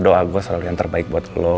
doa gue selalu yang terbaik buat gue